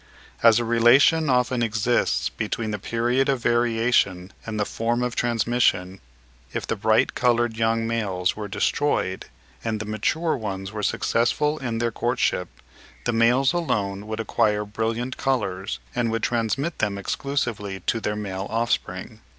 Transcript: As a relation often exists between the period of variation and the form of transmission, if the bright coloured young males were destroyed and the mature ones were successful in their courtship, the males alone would acquire brilliant colours and would transmit them exclusively to their male offspring.